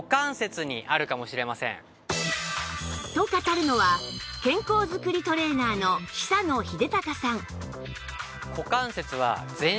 と語るのは健康づくりトレーナーの久野秀隆さん